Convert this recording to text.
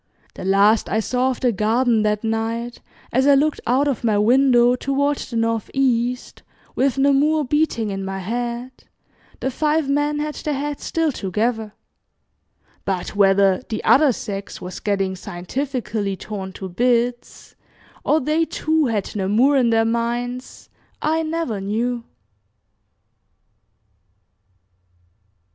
The last I saw of the garden that night, as I looked out of my window toward the northeast, with "Namur" beating in my head, the five men had their heads still together, but whether "the other sex" was getting scientifically torn to bits, or they, too, had Namur in their minds I never knew.